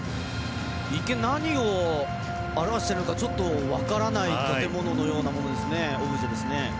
一見、何を表しているのか分からない建物のようなオブジェですね。